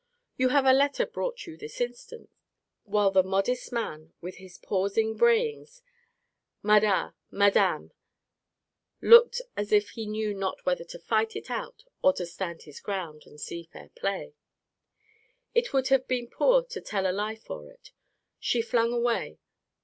] You have a letter brought you this instant. While the modest man, with his pausing brayings, Mad da Mad dam, looked as if he knew not whether to fight it out, or to stand his ground, and see fair play. It would have been poor to tell a lie for it. She flung away.